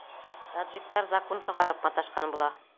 Таджиктар закун сығарып маташҡан була.